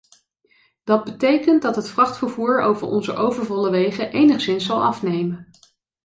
Dat betekent dat het vrachtvervoer over onze overvolle wegen enigszins zal afnemen.